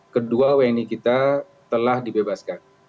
kedua wni kita telah dibebaskan